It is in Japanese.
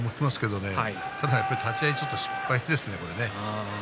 立ち合い失敗ですね。